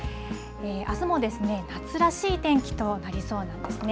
あすもですね夏らしい天気となりそうなんですね。